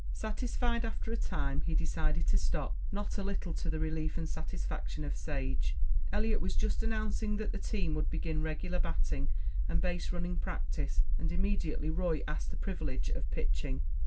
Satisfied after a time, he decided to stop, not a little to the relief and satisfaction of Sage. Eliot was just announcing that the team would begin regular batting and base running practice, and immediately Roy asked the privilege of pitching.